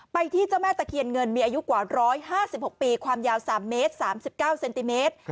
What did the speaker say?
ที่เจ้าแม่ตะเคียนเงินมีอายุกว่า๑๕๖ปีความยาว๓เมตร๓๙เซนติเมตร